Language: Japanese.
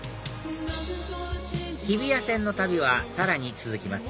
日比谷線の旅はさらに続きます